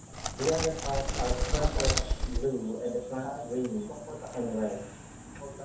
The underparts are purplish-blue and the flanks green and red.